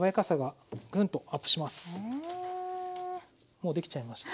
もう出来ちゃいました。